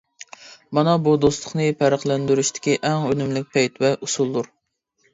مانا بۇ دوستلۇقنى پەرقلەندۈرۈشتىكى ئەڭ ئۈنۈملۈك پەيت ۋە ئۇسۇلدۇر.